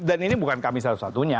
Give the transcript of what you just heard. dan ini bukan kami satu satunya